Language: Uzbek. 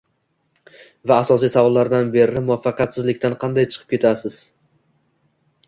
Va asosiy savollardan beri muvaffaqiyatsizlikdan qanday chiqib ketasiz?